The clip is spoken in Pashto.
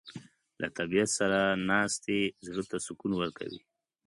له طبیعت سره ناستې زړه ته سکون ورکوي.